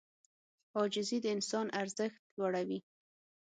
عاجزي د انسان ارزښت لوړوي.